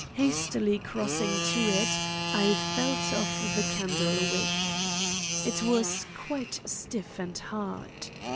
Hastily crossing to it, I felt of the candlewick. It was quite stiff and hard.